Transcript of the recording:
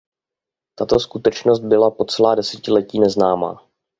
Tato skutečnost byla po celá desetiletí neznámá.